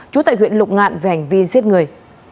trú tại huyện lục ngạn về hành vi giết người